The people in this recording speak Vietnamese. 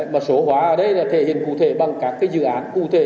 mà sổ hóa ở đây là thể hiện cụ thể bằng các dự án cụ thể